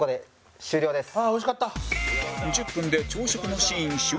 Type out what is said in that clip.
１０分で朝食のシーン終了